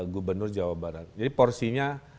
gubernur jawa barat jadi porsinya